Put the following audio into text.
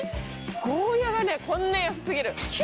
ゴーヤがねこんな安すぎる。